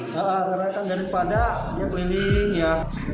karena kan daripada dia keliling ya